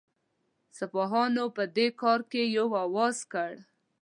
سپاهیان په دې کار کې یو آواز کړه.